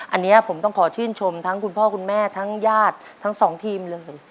อันนี้ผมต้องขอชื่นชมทั้งคุณพ่อคุณแม่ทั้งญาติทั้งสองทีมเลย